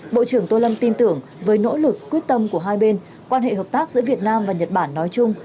bộ trưởng tô lâm tin tưởng với nỗ lực quyết tâm của hai bên quan hệ hợp tác giữa việt nam và nhật bản nói chung